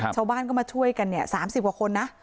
ชาวบ้านก็มาช่วยกัน๓๐กว่าคนนะ